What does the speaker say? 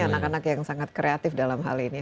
anak anak yang sangat kreatif dalam hal ini